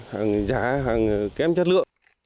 hàng giá hàng kém chất lượng